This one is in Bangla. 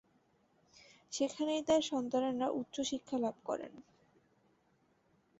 সেখানেই তার সন্তানেরা উচ্চ শিক্ষালাভ করেন।